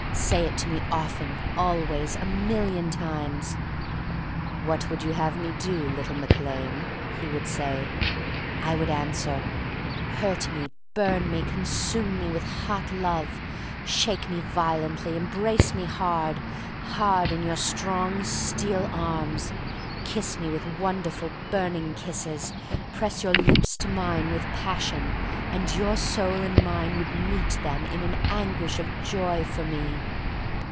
Say it to me often, always — a million times." "What would you have me do, little Mac Lane?" he would say again. I would answer: "Hurt me, burn me, consume me with hot love, shake me violently, embrace me hard, hard in your strong, steel arms, kiss me with wonderful burning kisses — press your lips to mine with passion, and your soul and mine would meet then in an anguish of joy for me!"